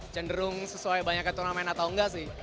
cenderung sesuai banyaknya turnamen atau enggak sih